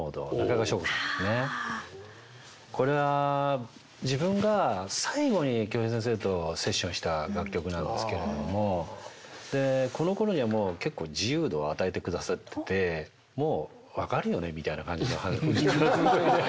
これは自分が最後に京平先生とセッションした楽曲なんですけれどもこのころには結構自由度を与えてくださっててもう分かるよねみたいな感じの。